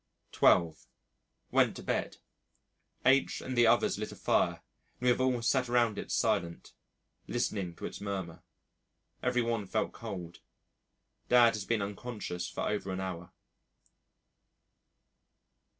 12.00. Went to bed. H and the others lit a fire and we have all sat around it silent, listening to its murmur. Every one felt cold. Dad has been unconscious for over an hour.